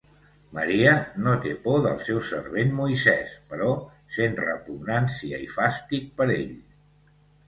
Maria no té por del seu servent Moisès, però sent repugnància i fàstic per ell.